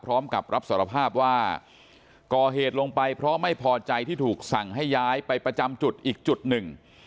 พร้อมกับรับสารภาพว่าก่อเหตุลงไปเพราะไม่พอใจที่ถูกสั่งให้ย้ายไปประจำจุดอีกจุดหนึ่ง